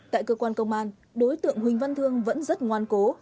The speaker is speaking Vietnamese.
tại cơ quan công an đối tượng huỳnh văn thương vẫn rất ngoan cố